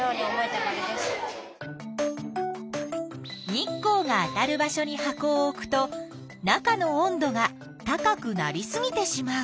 日光があたる場所に箱を置くと中の温度が高くなりすぎてしまう。